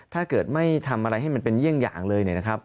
ถ้าเกิดไม่ทำอะไรให้มันเป็นเยี่ยงอย่างเลยเนี่ยนะครับ